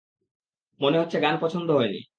মনে হচ্ছে গান পছন্দ হয়নি।